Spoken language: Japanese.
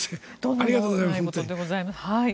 ありがとうございます。